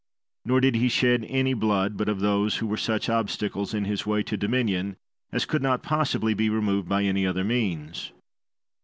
Nor did he shed any blood, but of those who were such obstacles in his way to dominion as could not possibly be removed by any other means.